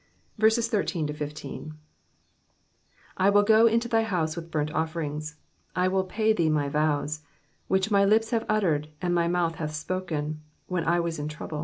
13 I will go into thy house with burnt offerings: I will pay thee my vows, 14 Which my h'ps have uttered, and my mouth hath spoken, when I was in trouble.